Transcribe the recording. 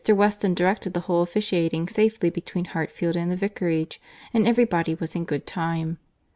Weston directed the whole, officiating safely between Hartfield and the Vicarage, and every body was in good time.